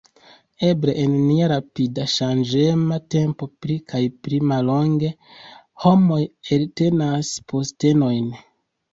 Eble en nia rapidŝanĝema tempo pli kaj pli mallonge homoj eltenas postenojn.